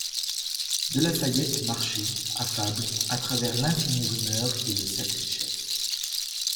De La Fayette marchait, affable, à travers l'infinie rumeur qui le sacrait chef.